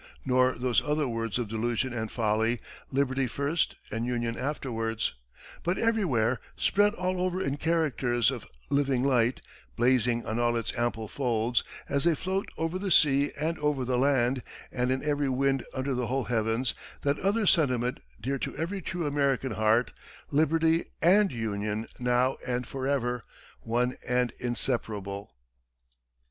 nor those other words of delusion and folly, 'Liberty first and Union afterwards'; but everywhere, spread all over in characters of living light, blazing on all its ample folds, as they float over the sea and over the land, and in every wind under the whole heavens, that other sentiment, dear to every true American heart Liberty and Union, now and forever, one and inseparable!"